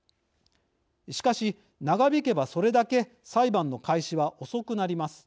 しかし、長引けばそれだけ裁判の開始は遅くなります。